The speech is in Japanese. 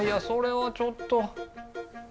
それはちょっと。